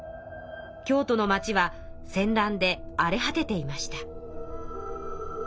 京都の町は戦乱であれ果てていました。